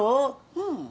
うん。